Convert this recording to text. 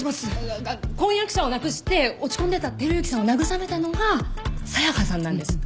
あっ婚約者を亡くして落ち込んでた輝幸さんを慰めたのが紗耶香さんなんです。